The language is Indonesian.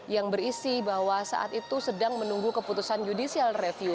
yang berisi bahwa saat itu sedang menunggu keputusan judicial review